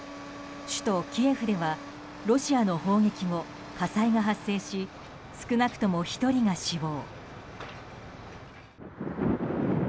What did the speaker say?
首都キエフではロシアの砲撃後火災が発生し少なくとも１人が死亡。